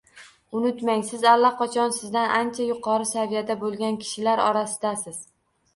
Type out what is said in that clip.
Unutmang, siz allaqachon sizdan ancha yuqori saviyada bo’lgan kishilar orasidasiz